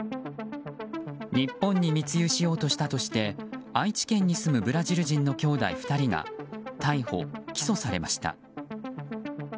日本に密輸しようとしたとして愛知県に住むブラジル人の兄弟２人が逮捕・起訴されました。